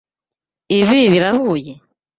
Ibi birahuye?